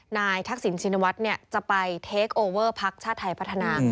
ทักษิณชินวัฒน์จะไปเทคโอเวอร์พักชาติไทยพัฒนา